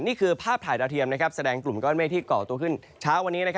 นี่คือภาพถ่ายดาวเทียมแสดงกลุ่มก้อนเมฆที่เกาะตัวขึ้นเช้าวันนี้